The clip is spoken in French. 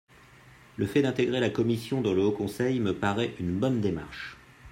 Le fait d’intégrer la commission dans le Haut conseil me paraît une bonne démarche.